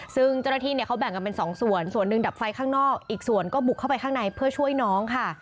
ซึ่งเจ้าหน้าที่เนี่ยเขาแบ่งกันเป็นสองส่วนส่วนหนึ่งดับไฟข้างนอกอีกส่วนก็บุกเข้าไปข้างในเพื่อช่วยน้องค่ะ